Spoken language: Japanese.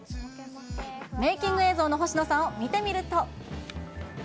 メーキング映像の星野さんを見てみると。